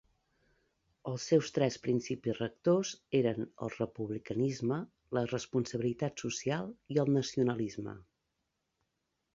Els seus tres principis rectors eren el republicanisme, la responsabilitat social i el nacionalisme.